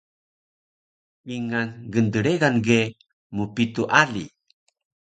Kingal gndregan ge mpitu ali